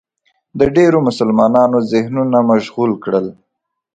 د ډېرو مسلمانانو ذهنونه مشغول کړل